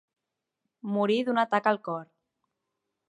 Morí d'un atac al cor.